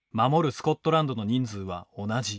スコットランドの人数は同じ。